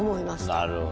なるほど。